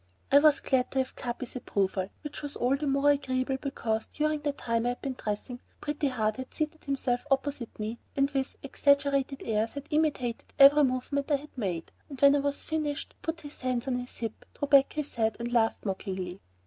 I was glad to have Capi's approval, which was all the more agreeable, because, during the time I had been dressing, Pretty Heart had seated himself opposite to me, and with exaggerated airs had imitated every movement I had made, and when I was finished put his hands on his hips, threw back his head, and laughed mockingly.